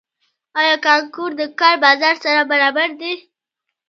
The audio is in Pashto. آیا کانکور د کار بازار سره برابر دی؟